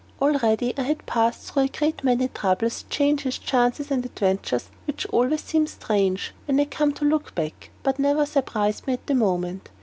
Already had I passed through a great many troubles, changes, chances, and adventures which always seem strange (when I come to look back), but never surprised me at the moment.